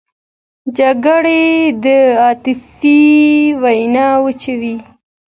جګړه د عاطفې وینه وچوي